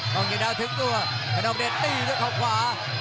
กล้องเชียงดาวถึงตัวคนนองเดชตีด้วยเข้าขวา